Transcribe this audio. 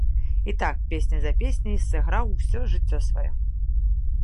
І так, песня за песняй, сыграў усё жыццё сваё.